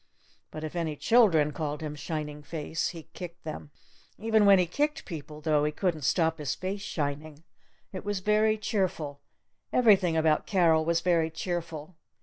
But if any children called him "Shining Face" he kicked them. Even when he kicked people, tho, he couldn't stop his face shining. It was very cheerful. Everything about Carol was very cheerful.